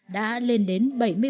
đã lên đến bảy mươi bảy ba